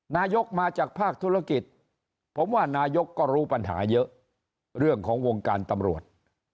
นายกมาจากภาคธุรกิจผมว่านายกก็รู้ปัญหาเยอะเรื่องของวงการตำรวจ